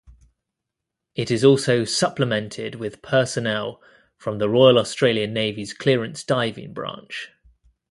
It is also supplemented with personnel from the Royal Australian Navy's Clearance Diving Branch.